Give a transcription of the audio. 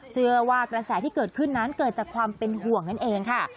เชื่อว่ากระแสที่เกิดขึ้นนั้นเกิดจากความเป็นห่วงนั่นเองค่ะ